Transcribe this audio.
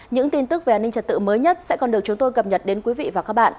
những tin tức về an ninh trật tự mới nhất sẽ còn được chúng tôi cập nhật đến quý vị và các bạn